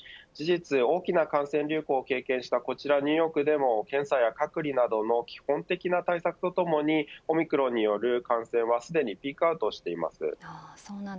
事実、大きな感染を経験したこちらニューヨークでも検査や隔離などの基本的な対策とともにオミクロンによる感染はすでにピークアウトしています。